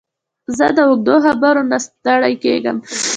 زه د اوږدو خبرو نه ستړی کېږم.